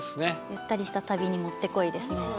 ゆったりした旅にもってこいですね。